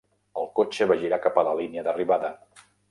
El cotxe va girar cap a la línia d'arribada.